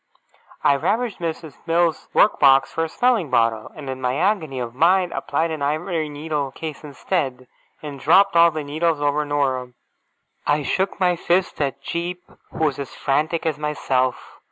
I ravaged Miss Mills's work box for a smelling bottle, and in my agony of mind applied an ivory needle case instead, and dropped all the needles over Dora. I shook my fists at Jip, who was as frantic as myself.